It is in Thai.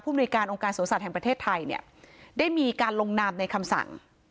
บริการองค์การสวนสัตว์แห่งประเทศไทยเนี่ยได้มีการลงนามในคำสั่ง